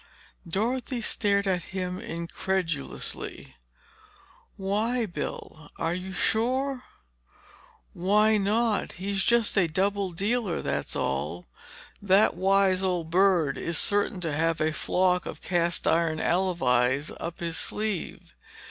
Dorothy stared at him incredulously. "Why, Bill—are you sure?" "Why not? He's just a double dealer, that's all. That wise old bird is certain to have a flock of cast iron alibis up his sleeve.